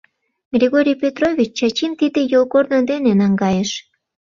Григорий Петрович Чачим тиде йолгорно дене наҥгайыш.